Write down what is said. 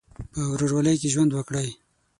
په ورورولۍ کې ژوند وکړئ.